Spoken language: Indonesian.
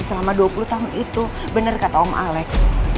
selama dua puluh tahun itu benar kata om alex